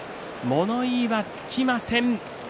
物言いはつきません。